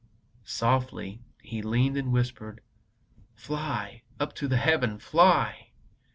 Softly He leaned and whispered: "Fly up to Heaven! Fly!"